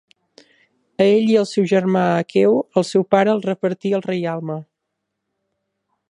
A ell i al seu germà Aqueu el seu pare els repartí el reialme.